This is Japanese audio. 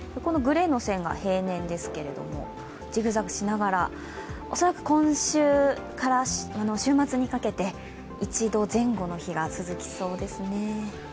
グレーの線が平年ですけどジグザグしながら恐らく今週から週末にかけて、１度前後の日が続きそうですね。